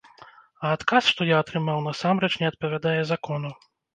А адказ, што я атрымаў, насамрэч не адпавядае закону.